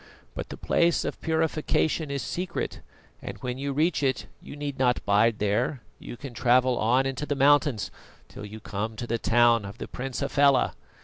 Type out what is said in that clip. But the Place of Purification is secret, and when you reach it you need not bide there, you can travel on into the mountains till you come to the town of the Prince Hafela.